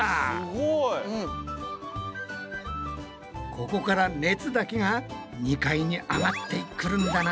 ここから熱だけが２階に上がってくるんだな。